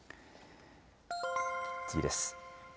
次です。